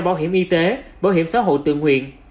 báo hiểm y tế báo hiểm xã hội tự nguyện